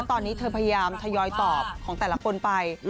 ตอนนี้เธอพยายามทยอยตอบของแต่ละคนไป